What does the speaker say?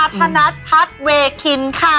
บรรพิชาธนัดพัทเวศฯคิ้นค่ะ